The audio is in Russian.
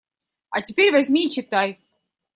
А теперь возьми и читай.